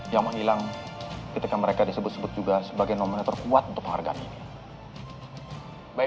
yang menghilang ketika mereka disebut sebut juga sebagai nomina terkuat untuk penghargaan ini